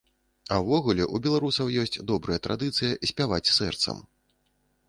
А ўвогуле, у беларусаў ёсць добрая традыцыя спяваць сэрцам.